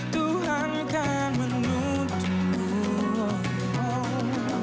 tuhan kan menuntunmu